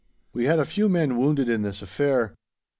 We had a few men wounded in this affair.